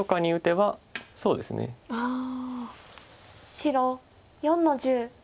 白４の十。